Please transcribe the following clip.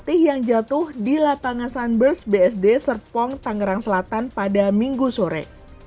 pelatih yang jatuh di lapangan sunburst bsd serpong tangerang selatan pada minggu sore